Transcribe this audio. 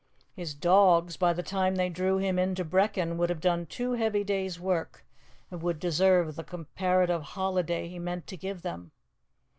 His dogs, by the time they drew him into Brechin, would have done two heavy days' work, and would deserve the comparative holiday he meant to give them.